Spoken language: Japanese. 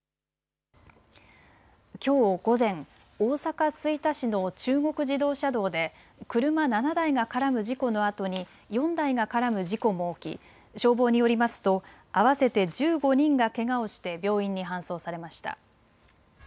きょう午前、大阪吹田市の中国自動車道で車７台が絡む事故のあとに４台が絡む事故も起き消防によりますと合わせて１５人がけがをして病院に搬送されました。